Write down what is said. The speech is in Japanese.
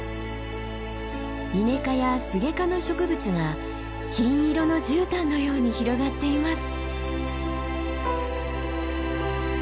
イネ科やスゲ科の植物が金色のじゅうたんのように広がっています。